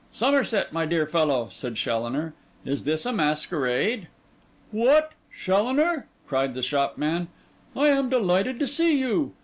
'Somerset, my dear fellow,' said Challoner, 'is this a masquerade?' 'What? Challoner!' cried the shopman. 'I am delighted to see you.